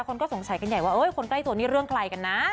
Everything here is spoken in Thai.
คนก็สงสัยกันใหญ่ว่าคนใกล้ตัวนี่เรื่องใครกันนะ